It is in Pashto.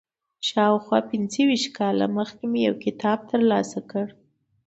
شاوخوا پنځه ویشت کاله مخکې مې یو کتاب تر لاسه کړ.